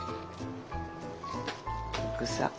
グサッ！